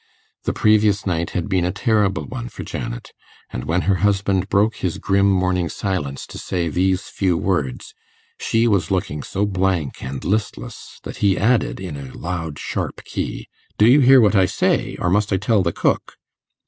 The previous night had been a terrible one for Janet, and when her husband broke his grim morning silence to say these few words, she was looking so blank and listless that he added in a loud sharp key, 'Do you hear what I say? or must I tell the cook?